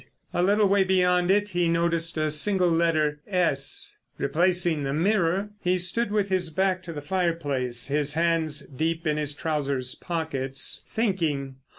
A little way beyond it he noticed a single letter "s." Replacing the mirror he stood with his back to the fireplace, his hands deep in his trousers pockets, thinking.